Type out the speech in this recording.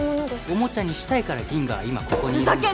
おもちゃにしたいからギンガは今ここにいるんだよ